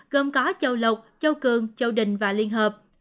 gồm có châu lục châu cường châu đình và liên hợp